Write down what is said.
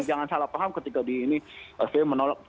jadi jangan salah paham ketika di ini fpi menolak